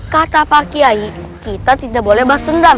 kata pak kiai kita tidak boleh bas dendam